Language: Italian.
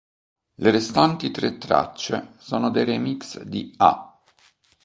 Le restanti tre tracce sono dei remix di "A".